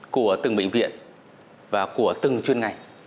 của từng bệnh viện và của từng chuyên ngành